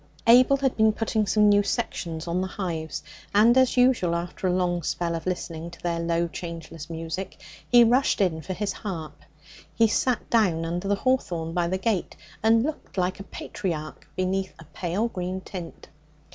Abel had been putting some new sections on the hives, and, as usual, after a long spell of listening to their low, changeless music, he rushed in for his harp. He sat down under the hawthorn by the gate, and looked like a patriarch beneath a pale green tint.